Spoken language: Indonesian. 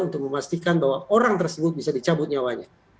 untuk memastikan bahwa orang tersebut bisa dicabut nyawanya